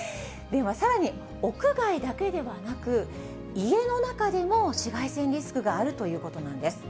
ではさらに屋外だけではなく、家の中でも紫外線リスクがあるということなんです。